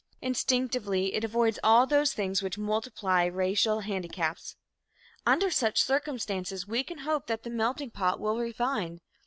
Instinctively it avoids all those things which multiply racial handicaps. Under such circumstances we can hope that the "melting pot" will refine.